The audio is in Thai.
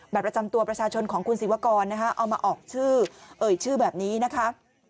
ประจำตัวประชาชนของคุณศิวกรนะคะเอามาออกชื่อเอ่ยชื่อแบบนี้นะคะ